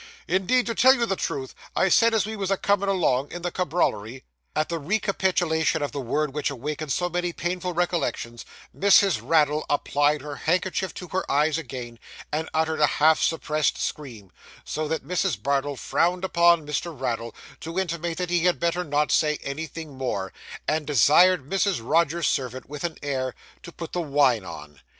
'Indeed, to tell you the truth, I said, as we was a coming along in the cabrioily ' At the recapitulation of the word which awakened so many painful recollections, Mrs. Raddle applied her handkerchief to her eyes again, and uttered a half suppressed scream; so that Mrs. Bardell frowned upon Mr. Raddle, to intimate that he had better not say anything more, and desired Mrs. Rogers's servant, with an air, to 'put the wine on.